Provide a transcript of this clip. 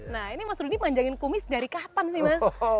nah ini mas rudy manjangin kumis dari kapan sih mas